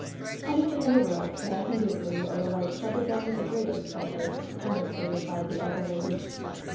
"Anything in the world that I can do for you, Oda lite, shall be done with the greatest pleasure," earnestly replied the elder lady.